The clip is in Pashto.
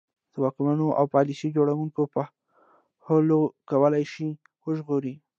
د واکمنانو او پالیسي جوړوونکو پوهول کولای شي وژغوري.